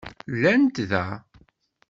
Llant da.